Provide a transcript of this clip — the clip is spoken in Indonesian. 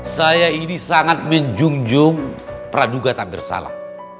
saya ini sangat menjunjung praduga tak bersalah